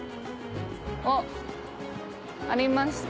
あっありました。